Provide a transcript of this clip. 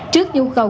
trước nhu cầu